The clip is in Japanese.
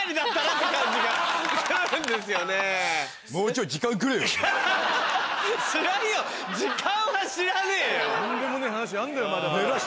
とんでもねえ話あんだよまだまだ。